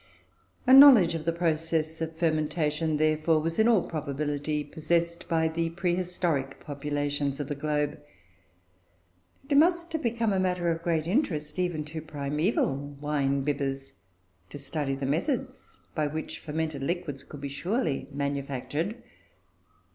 A knowledge of the process of fermentation, therefore, was in all probability possessed by the prehistoric populations of the globe; and it must have become a matter of great interest even to primaeval wine bibbers to study the methods by which fermented liquids could be surely manufactured.